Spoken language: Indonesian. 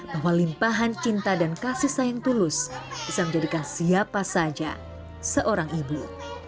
bahwa limpahan cinta dan kasih sayang tulus bisa menjadikan siapa saja seorang ibu